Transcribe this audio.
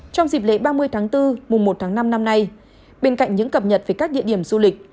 trong dịp lễ ba mươi tháng bốn mùa một tháng năm năm nay bên cạnh những cập nhật về các địa điểm du lịch